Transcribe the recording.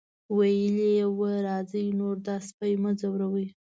ویلي یې وو راځئ نور دا سپی مه ځوروئ.